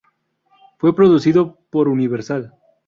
Fue producido por Universal.